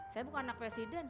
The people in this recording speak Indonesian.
saya bukan anak presiden